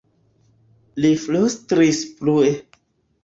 li flustris plue.